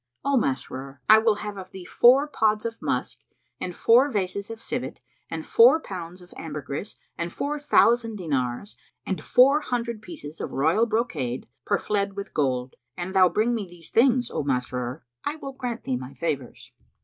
"O Masrur, I will have of thee four pods of musk and four vases of civet[FN#324] and four pounds of ambergris and four thousand dinars and four hundred pieces of royal brocade, purfled with gold. An thou bring me these things, O Masrur, I will grant thee my favours."